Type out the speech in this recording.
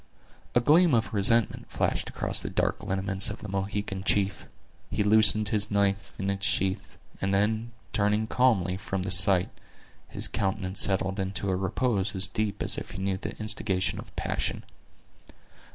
A gleam of resentment flashed across the dark lineaments of the Mohican chief; he loosened his knife in his sheath; and then turning calmly from the sight, his countenance settled into a repose as deep as if he knew the instigation of passion.